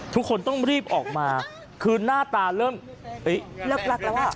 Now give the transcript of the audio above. ทุกคนต้องรีบออกมาคือหน้าตาเริ่มเลิกลักแล้วอ่ะ